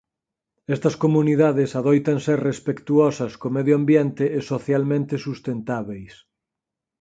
Estas comunidades adoitan ser respectuosas co medio ambiente e socialmente sustentábeis.